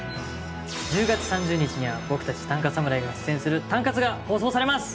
１０月３０日には僕たち短歌侍が出演する「タンカツ」が放送されます！